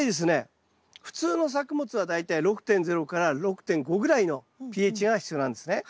普通の作物は大体６．０６．５ぐらいのｐＨが必要なんですね。